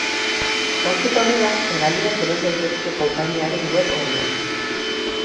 Gaurtik aurrera hegaldiak eros daitezke konpainiaren web orrian.